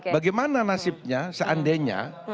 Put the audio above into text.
bagaimana nasibnya seandainya